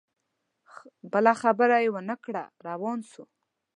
بله خبره یې ونه کړه روان سو